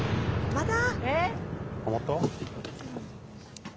また？